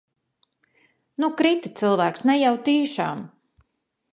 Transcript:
Nu, krita cilvēks, ne jau tīšām.